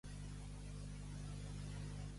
Com va narrar la seva caiguda, el Guim?